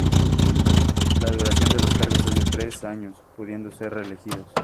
La duración de los cargos es de tres años pudiendo ser reelegidos.